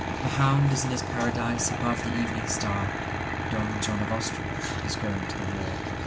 Mahound is in his paradise above the evening star,(Don John of Austria is going to the war.)